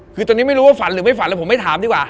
คือตอนนี้ไม่รู้ว่าฝันหรือไม่ฝันแล้วผมไม่ถามดีกว่า